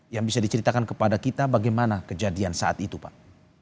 yang bisa diceritakan kepada kita bagaimana kejadian saat itu pak